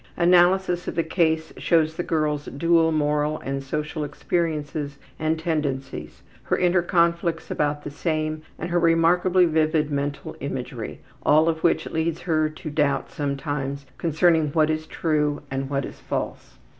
Analysis of the case shows the girl's dual moral and social experiences and tendencies, her inner conflicts about the same, and her remarkably vivid mental imagery all of which leads her to doubt sometimes concerning what is true and what is false.